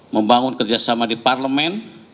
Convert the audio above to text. membangun kerjasama di parlemen